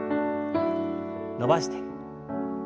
伸ばして。